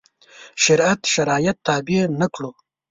شریعت شرایط تابع نه کړو.